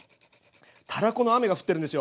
たらこの雨が降ってるんですよ。